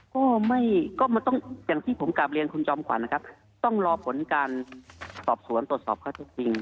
ก็ไม่ก็มันต้องอย่างที่ผมกลับเรียนคุณจอมขวัญนะครับต้องรอผลการสอบสวนตรวจสอบข้อเท็จจริง